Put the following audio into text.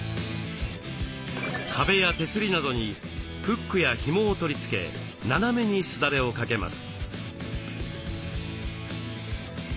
壁や手すりなどにフックやひもを取り付け斜めにすだれを掛けます。